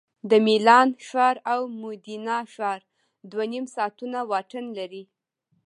د میلان ښار او مودینا ښار دوه نیم ساعتونه واټن لري